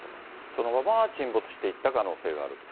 そのまま沈没していった可能性があると。